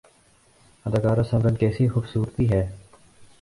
اداکارہ سمرن کیسی خوبصورتی ہے